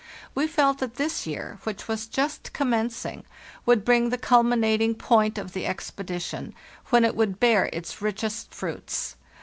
We felt that this year, which was just commencing, would bring the culminat ing point of the expedition, when it would bear its rich est fruits.